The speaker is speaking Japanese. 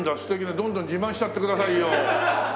どんどん自慢しちゃってくださいよ！